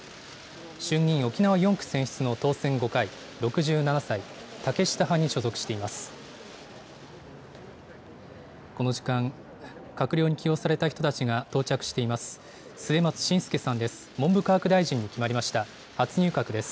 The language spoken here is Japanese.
衆議院沖縄４区選出の当選５回、６７歳、竹下派に所属しています。